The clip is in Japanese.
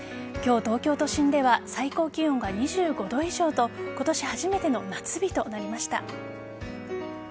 今日、東京都心では最高気温が２５度以上と今年初めての夏日となりました。